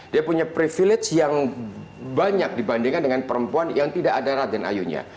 dia punya privilege yang banyak dibandingkan dengan perempuan yang tidak ada raden ayunya